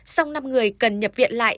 song năm người cần nhập viện lại